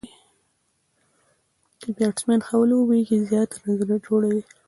که بيټسمېن ښه ولوبېږي، زیات رنزونه جوړوي.